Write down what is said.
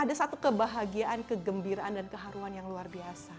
ada satu kebahagiaan kegembiraan dan kebahagiaan yang luar biasa ya di indonesia ini